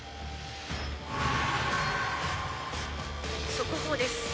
「速報です」